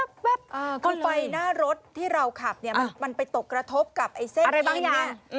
คือไฟหน้ารถที่เราขับเนี่ยมันไปตกกระทบกับไอ้เส้นอะไรบ้างเนี่ย